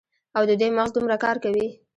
او د دوي مغـز دومـره کـار کـوي.